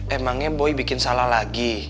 emangnya boy bikin salah lagi